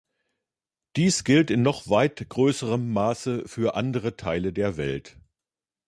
Dies gilt in noch weit größerem Maße für andere Teile der Welt.